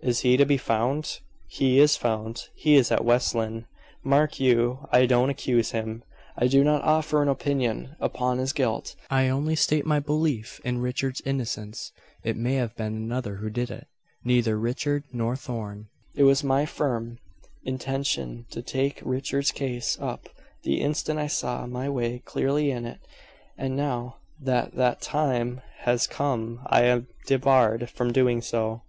"Is he to be found?" "He is found. He is at West Lynne. Mark you, I don't accuse him I do not offer an opinion upon his guilt I only state my belief in Richard's innocence; it may have been another who did it, neither Richard nor Thorn. It was my firm intention to take Richard's case up, the instant I saw my way clearly in it, and now that that time has come I am debarred from doing so."